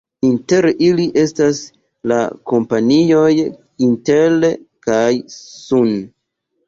Inter ili estas la kompanioj Intel kaj Sun.